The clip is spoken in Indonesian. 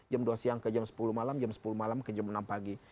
jam dua siang ke jam sepuluh malam jam sepuluh malam ke jam enam pagi